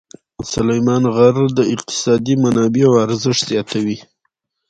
سلیمان غر د اقتصادي منابعو ارزښت زیاتوي.